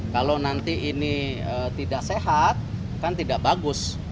kalau nanti ini tidak sehat kan tidak bagus